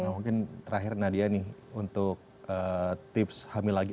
nah mungkin terakhir nadia nih untuk tips hamil lagi